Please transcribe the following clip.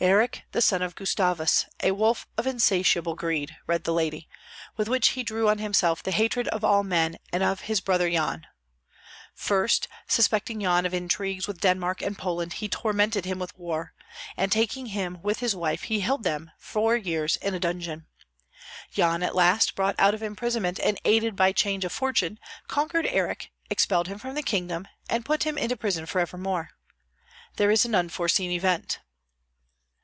"Erick, the son of Gustavus, a wolf of unsatiable greed," read the lady, "with which he drew on himself the hatred of all men and of his brother Yan. First, suspecting Yan of intrigues with Denmark and Poland, he tormented him with war, and taking him with his wife he held them four years in a dungeon. Yan, at last brought out of imprisonment and aided by change of fortune, conquered Erick, expelled him from the kingdom, and put him into prison forevermore. There is an unforeseen event!"